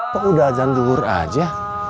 kok udah azan duhur aja